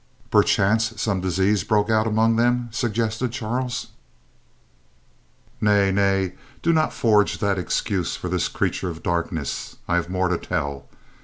"Perchance, some disease broke out among them," suggested Charles. "Nay, nay; do not forge that excuse for this creature of darkness. I have more to tell.